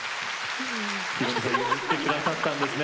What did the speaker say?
宏美さん譲ってくださったんですね。